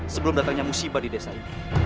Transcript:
sebelum datangnya musibah di desa ini